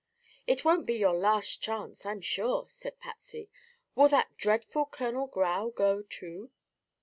"It won't be your last chance, I'm sure," said Patsy. "Will that dreadful Colonel Grau go, too?"